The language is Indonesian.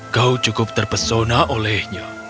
kau cukup terpesona olehnya